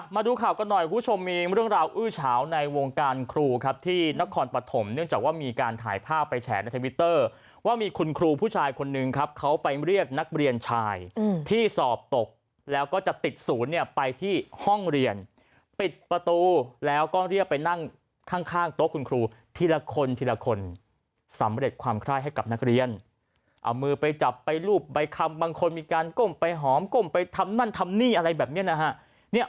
มาดูข่าวกันหน่อยคุณผู้ชมมีเรื่องราวอื้อเฉาในวงการครูครับที่นครปฐมเนื่องจากว่ามีการถ่ายภาพไปแชร์ในทวิเตอร์ว่ามีคุณครูผู้ชายคนหนึ่งครับเขาไปเรียกนักเรียนชายที่สอบตกแล้วก็จะติดศูนย์เนี่ยไปที่ห้องเรียนปิดประตูแล้วก็เรียกไปนั่งข้างโต๊ะคุณครูทีละคนทีละคนสำเร็จความคล่ายให้กับนักเรี